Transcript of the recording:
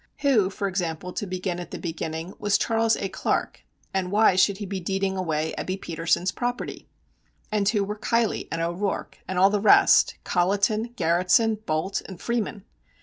Who, for example, to begin at the beginning, was Charles A. Clark, and why should he be deeding away Ebbe Petersen's property? And who were Keilly and O'Rourke, and all the rest Colliton, Garretson, Bolte and Freeman?